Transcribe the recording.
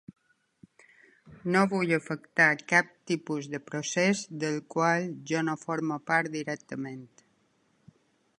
No vull afectar cap tipus de procés del qual jo no formo part directament.